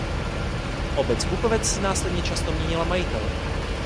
Obec Bukovec následně často měnila majitele.